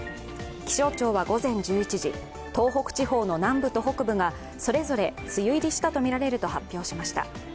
気象庁は午前１１時、東北地方の南部と北部がそれぞれ梅雨入りしたとみられると発表しました。